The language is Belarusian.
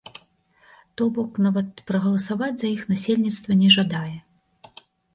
То бок, нават прагаласаваць за іх насельніцтва не жадае.